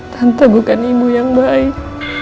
tante bukan ibu yang baik